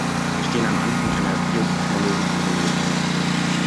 Wir stehen am Anfang einer biotechnologischen Revolution.